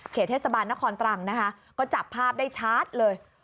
เทศบาลนครตรังนะคะก็จับภาพได้ชัดเลย